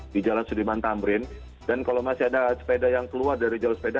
di jalan sudirman tamrin dan kalau masih ada sepeda yang keluar dari jalur sepeda